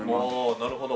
なるほど。